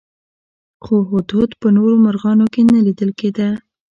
خو هدهد په نورو مرغانو کې نه لیدل کېده.